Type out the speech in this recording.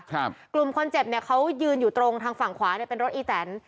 กลุ่มคนเจ็บเนี่ยเขายืนอยู่ตรงทางฝั่งขวาเนี่ยเป็นรถอีแตน